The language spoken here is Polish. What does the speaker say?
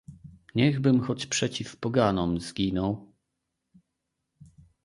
"niechbym choć przeciw poganom zginął."